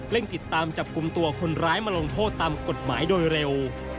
ติดตามจับกลุ่มตัวคนร้ายมาลงโทษตามกฎหมายโดยเร็ว